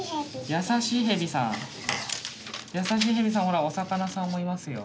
優しいヘビさんほらお魚さんもいますよ。